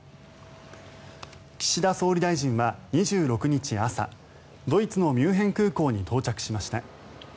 岸田総理大臣は２６日朝ドイツのミュンヘン空港に到着しました。